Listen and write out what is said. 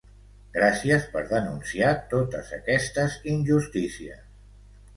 Gràcies per denunciar totes aquestes injustícies.